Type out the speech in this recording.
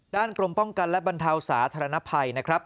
กรมป้องกันและบรรเทาสาธารณภัยนะครับ